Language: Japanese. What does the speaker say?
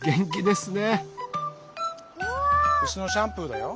うしのシャンプーだよ。